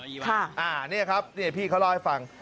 ค่ะนี่นะครับพี่เค้ารอให้ฟัง